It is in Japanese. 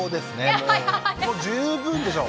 もう十分でしょう。